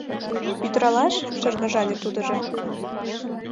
— Пӱтыралаш? — шыргыжале тудыжо.